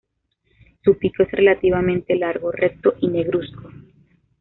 Su pico es relativamente largo, recto y negruzco.